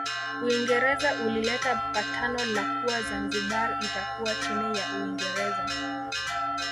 Uingereza ulileta patano la kuwa Zanzibar itakuwa chini ya Uingereza